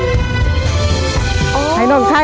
สะพานหินเกิดถึงจากธรรมชาติ